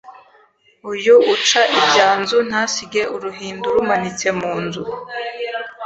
Uyu uca ibyanzu ntasige uruhindu rumanitse mu nzu